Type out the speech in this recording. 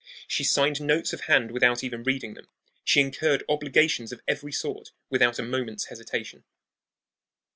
She signed notes of hand without even reading them. She incurred obligations of every sort without a moment's hesitation.